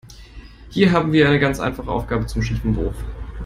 Hier haben wir eine ganz einfache Aufgabe zum schiefen Wurf.